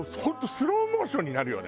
スローモーションになるよね。